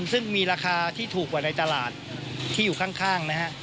ซึ่งมีราคาที่ถูกกว่าในตลาดที่อยู่ข้างนะฮะ